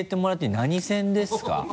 何線ですか？